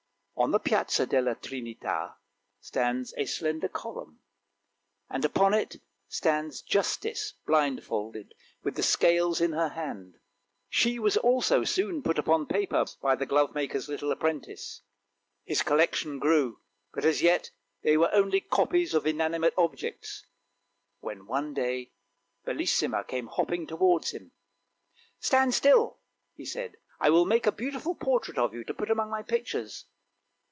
On the Piazza della Trinita stands a slender column, and upon it stands Justice blindfolded, with the scales in her hand. She was also soon put upon paper by the glovemaker's little THE BRONZE BOAR 343 apprentice. His collection grew, but as yet they were only copies of inanimate objects, when one day Bellissima came hopping towards him. " Stand still! " he said. " I will make a beautiful portrait of you to put among my pictures!